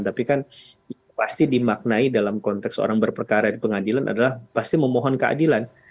tapi kan yang pasti dimaknai dalam konteks orang berperkara di pengadilan adalah pasti memohon keadilan